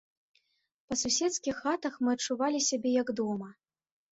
Па суседскіх хатах мы адчувалі сябе, як дома.